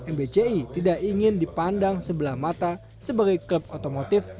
mbci tidak ingin dipandang sebelah mata sebagai klub otomotif